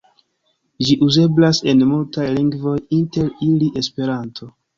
Ĝi uzeblas en multaj lingvoj, inter ili Esperanto.